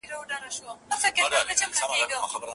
هغه د خپلو شاګردانو لپاره نوي مواد برابروي.